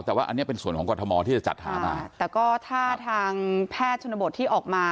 แต่ว่าอันนี้เป็นส่วนของกรทมที่จะจัดหามาแต่ก็ถ้าทางแพทย์ชนบทที่ออกมา